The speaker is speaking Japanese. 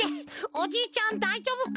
おじいちゃんだいじょうぶか？